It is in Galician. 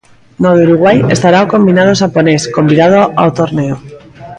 No de Uruguai estará o combinado xaponés, convidado ao torneo.